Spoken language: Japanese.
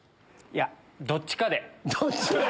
いやどっちかで。